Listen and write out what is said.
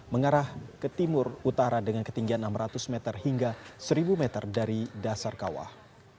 mengarah ke timur utara dengan ketinggian enam ratus meter hingga seribu meter dari dasar kawah